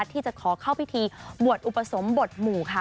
ที่จะขอเข้าพิธีบวชอุปสมบทหมู่ค่ะ